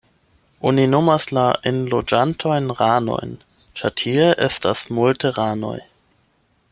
Oni nomas la enloĝantojn ranojn ĉar tie estas multe ranoj.